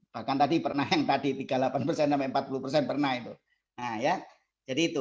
bahkan tadi pernah yang tadi tiga puluh delapan persen sampai empat puluh persen pernah itu